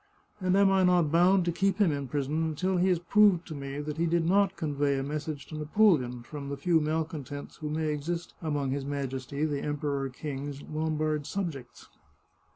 And am I not bound to keep him in prison until he has proved to me that he did not convey a message to Napoleon from the few malcontents who may exist among his Majesty, the Emperor King's, Lombard subjects?